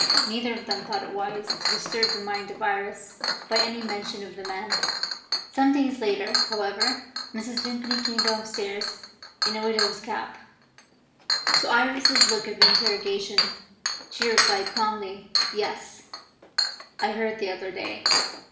Neither of them thought it wise to disturb the mind of Iris by any mention of the man. Some days later, however, Mrs. Vimpany came downstairs in a widow's cap. To Iris's look of interrogation she replied calmly, "Yes, I heard the other day.